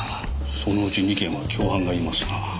そのうち２件は共犯がいますなぁ。